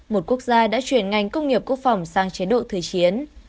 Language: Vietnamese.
một quốc gia đã chuyển ngành công nghiệp quốc phòng sang chế độ thời chiến